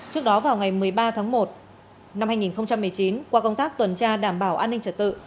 trước đó vào ngày một mươi ba tháng một năm hai nghìn một mươi chín qua công tác tuần tra đảm bảo an ninh trật tự